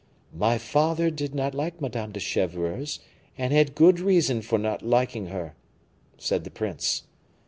"My father did not like Madame de Chevreuse, and had good reason for not liking her," said the prince.